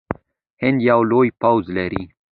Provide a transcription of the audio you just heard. هند یو لوی پوځ لري.